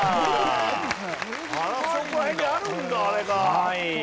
あそこら辺にあるんだあれが。